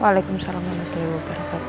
waalaikumsalam warahmatullahi wabarakatuh